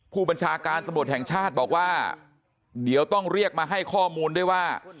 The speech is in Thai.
ผู้บัญชาการตำรวจแห่งชาติบอกว่าเดี๋ยวต้องเรียกมาให้ข้อมูลด้วยว่า